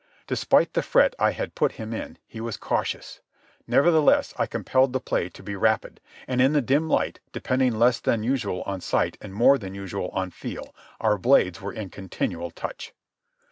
Despite the fret I had put him in, he was cautious. Nevertheless I compelled the play to be rapid, and in the dim light, depending less than usual on sight and more than usual on feel, our blades were in continual touch.